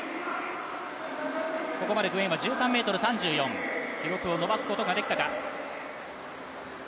ここまでグエンは１３ｍ３４、記録を伸ばすことができたか。